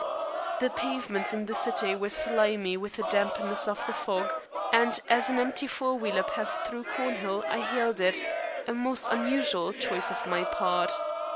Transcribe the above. The pavements in the City were slimy with the dampness of the fog, and as an empty four wheeler passed through Cornhill I hailed it, a most unusual choice on my part.